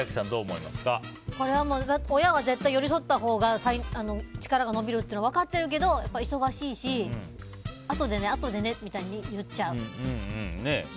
親は絶対寄り添ったほうが力が伸びるっていうのは分かってるけどやっぱり忙しいしあとでね、あとでねみたいに言っちゃう。